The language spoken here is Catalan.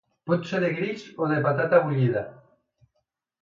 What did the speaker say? Pot ser de grills o de patata bullida.